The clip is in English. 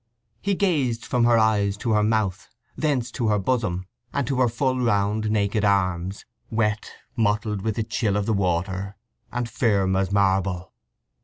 He gazed from her eyes to her mouth, thence to her bosom, and to her full round naked arms, wet, mottled with the chill of the water, and firm as marble.